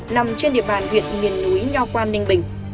nằm trên địa bàn huyện miền núi nho quan ninh bình